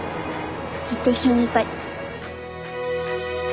ずっと一緒にいたい。